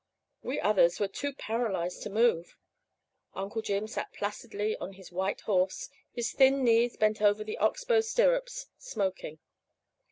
We others were too paralyzed to move. Uncle Jim sat placidly on his white horse, his thin knees bent to the ox bow stirrups, smoking.